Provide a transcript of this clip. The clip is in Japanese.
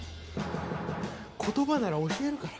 言葉なら教えるから。